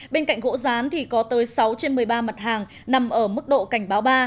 bên cạnh gỗ rán thì có tới sáu trên một mươi ba mặt hàng nằm ở mức độ cảnh báo ba